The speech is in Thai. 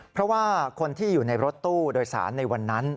เพราะว่าคนที่อยู่ในรถตู้โดยสารในวันนั้น